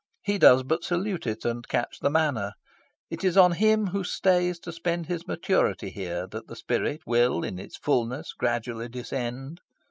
He does but salute it, and catch the manner. It is on him who stays to spend his maturity here that the spirit will in its fulness gradually descend.